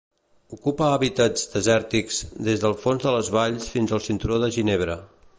Ocupa hàbitats desèrtics, des del fons de les valls fins al cinturó de ginebre.